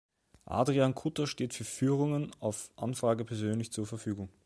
Adrian Kutter steht für Führungen auf Anfrage persönlich zur Verfügung.